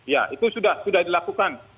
ya itu sudah dilakukan